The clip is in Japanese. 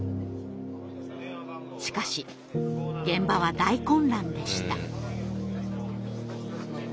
しかし現場は大混乱でした。